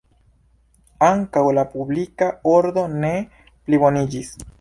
Ankaŭ la publika ordo ne pliboniĝis.